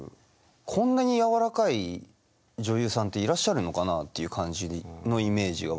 こんなにやわらかい女優さんっていらっしゃるのかなっていう感じのイメージが僕はあって。